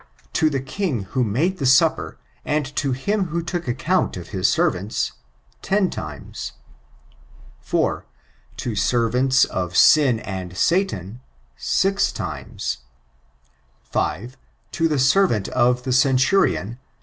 To the king who made the supper, and to him who took account of his servants, .... lo « 4. To servants of sin and Satan, • 6 6. To the servant of the centurion.